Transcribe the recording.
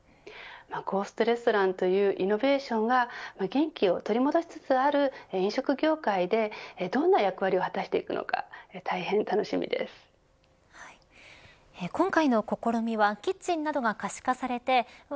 ゴーストレストランというイノベーションが元気を取り戻しつつある飲食業界でどんな役割を果たしていくのか今回の試みはキッチンなどが可視化されてうわ